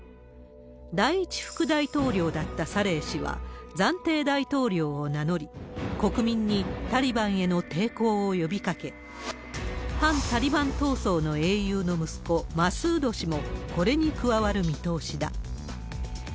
第１副大統領だったサレー氏は、暫定大統領を名乗り、国民にタリバンへの抵抗を呼びかけ、反タリバン闘争の英雄の息子、マスード氏もこれに加わる見通しだ。